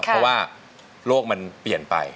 เพราะว่าโลกมันเปลี่ยนไป